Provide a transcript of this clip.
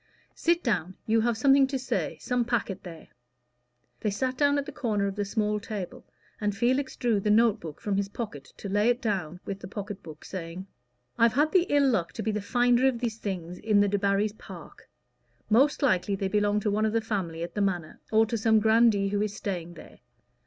Sit down; you have something to say some packet there." They sat down at a corner of the small table, and Felix drew the note book from his pocket to lay it down with the pocket book, saying "I've had the ill luck to be the finder of these things in the Debarrys' park. Most likely they belong to one of the family at the Manor, or to some grandee who is staying there.